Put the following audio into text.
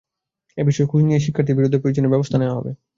এ বিষয়ে খোঁজ নিয়ে ওই শিক্ষার্থীর বিরুদ্ধে প্রয়োজনীয় ব্যবস্থা নেওয়া হবে।